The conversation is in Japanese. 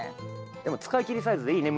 でも使い切りサイズでいいね